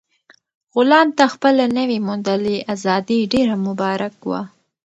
غلام ته خپله نوي موندلې ازادي ډېره مبارک وه.